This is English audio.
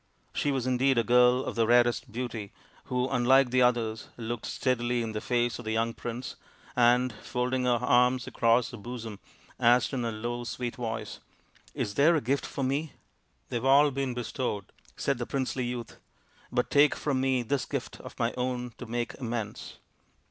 She was indeed a girl of the rarest beauty, who, unlike the others, looked steadily in the face of the young prince, and, folding her arms across her bosom, asked in a low sweet voice, " Is there a gift for me ?"" They have all been bestowed," said the princely youth, " but take from me this gift of my own to make amends."